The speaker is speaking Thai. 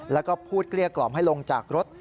แล้วก็พูดเกลี้ยกล่อมให้ลงจากรถ